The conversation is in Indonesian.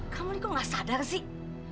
kamu ini kok gak sadar sih